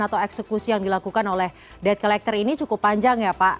atau eksekusi yang dilakukan oleh debt collector ini cukup panjang ya pak